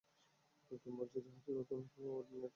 Captain বলছি, জাহাজের নতুন কো-অর্ডিনেট সেট করো।